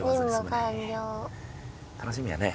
楽しみやね。